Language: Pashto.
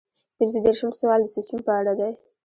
پنځه دېرشم سوال د سیسټم په اړه دی.